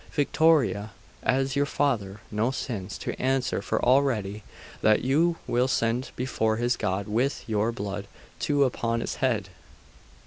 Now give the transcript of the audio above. Victoria! has your father no sins to answer for already, that you will send before his God with your blood too upon his head?